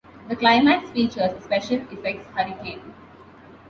The climax features a special effects hurricane.